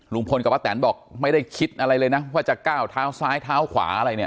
ลุงพลกับป้าแตนบอกไม่ได้คิดอะไรเลยนะว่าจะก้าวเท้าซ้ายเท้าขวาอะไรเนี่ย